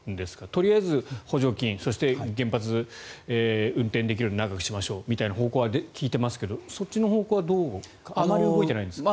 とりあえず補助金そして、原発、運転できるように長くしましょうみたいな方向は聞いていますけどそっちの方向はあまり動いていないんですか？